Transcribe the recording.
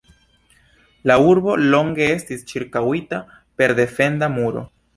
La urbo longe estis ĉirkaŭita per defenda muro.